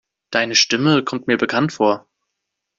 Deine Stimme kommt mir bekannt vor.